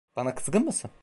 Bana kızgın mısın?